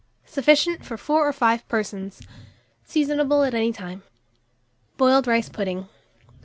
Sufficient for 4 or 5 persons. Seasonable at any time. BOILED RICE PUDDING.